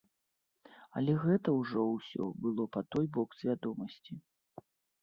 Але гэта ўжо ўсё было па той бок свядомасці.